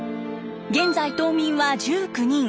現在島民は１９人。